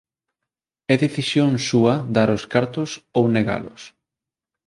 É decisión súa dar os cartos ou negalos;